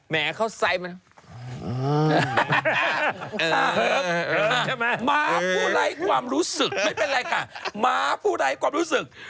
ไม่เป็นไรค่ะมาพูดอะไรให้ความรู้สึก